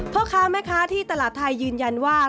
พ่อค้าแม่ค้าที่ตลาดไทยยืนยันว่า